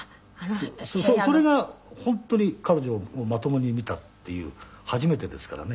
それが本当に彼女をまともに見たっていう初めてですからね。